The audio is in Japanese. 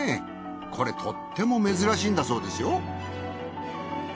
これとっても珍しいんだそうですよ